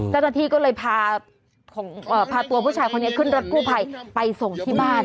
เจ้าหน้าที่ก็เลยพาตัวผู้ชายคนนี้ขึ้นรถกู้ภัยไปส่งที่บ้าน